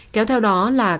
kéo theo đó là các tác động